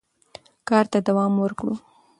کار ته دوام ورکړو.